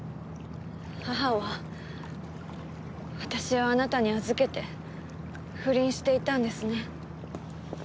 母は私をあなたに預けて不倫していたんですね。